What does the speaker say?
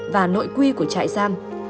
và nội quy của trại gia